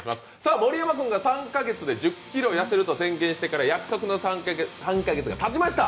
盛山君が３カ月で１０ｋｇ痩せると宣言してから約束の３カ月がたちました。